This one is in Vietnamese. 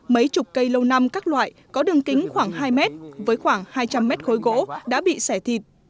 mấy chục cây lâu năm các loại có đường kính khoảng hai mét với khoảng hai trăm linh mét khối gỗ đã bị xẻ thịt